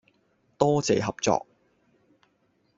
多謝合作